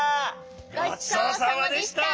ごちそうさまでした！